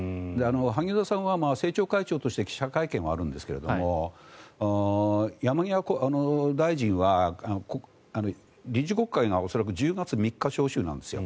萩生田さんは政調会長として記者会見はあるんですが山際大臣は臨時国会が恐らく１０月３日に召集なんですよ。